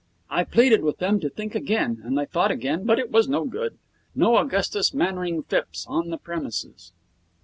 I pleaded with them to think again, and they thought again, but it was no good. No Augustus Mannering Phipps on the premises.